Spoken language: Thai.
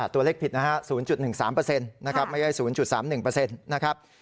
ตัวเลขผิดนะฮะ๐๑๓เปอร์เซ็นต์ไม่ใช่๐๓๑เปอร์เซ็นต์นะครับ